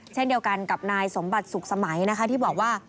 เช่นเดียวกันกับนายสมบัติสุขสมัยนะคะที่บอกว่า